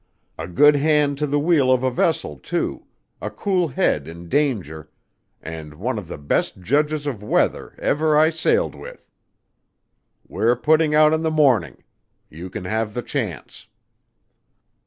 "A good hand to the wheel of a vessel, too, a cool head in danger, and one of the best judges of weather ever I sailed with. We're putting out in the morning. You can have the chance."